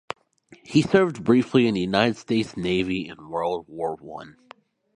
He served briefly in the United States Navy in World War One.